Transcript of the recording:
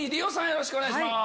よろしくお願いします。